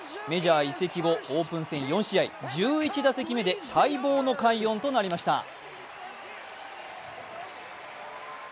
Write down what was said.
メジャー移籍後、オープン戦１試合、１１打席目で待望の快音となりました。